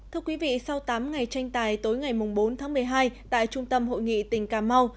thưa quý vị sau tám ngày tranh tài tối ngày bốn tháng một mươi hai tại trung tâm hội nghị tỉnh cà mau